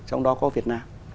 trong đó có việt nam